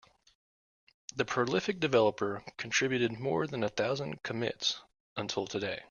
The prolific developer contributed more than a thousand commits until today.